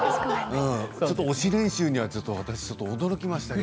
推し練習には驚きました。